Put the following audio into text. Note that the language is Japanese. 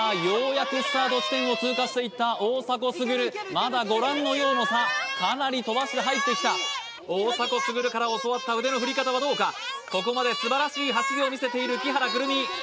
ようやくスタート地点を通過していった大迫傑まだご覧のような差かなり飛ばして入ってきた大迫傑から教わった腕の振り方はどうかここまで素晴らしい走りを見せている木原來南